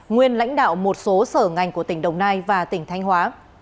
nguyên lãnh đạo một số sở ngành của tỉnh đồng nai và tỉnh thanh hóa